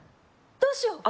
どうしよう